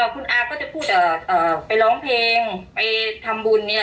คุณอาก็จะพูดไปร้องเพลงไปทำบุญเนี่ย